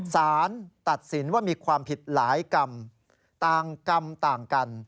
สารตัดสินว่ามีความผิดหลายกรรมต่างกรรมต่างกัน